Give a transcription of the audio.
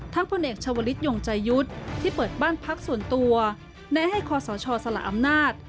พลเอกชาวลิศยงใจยุทธ์ที่เปิดบ้านพักส่วนตัวแนะให้คอสชสละอำนาจ